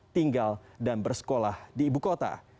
tinggal dan bersekolah di ibu kota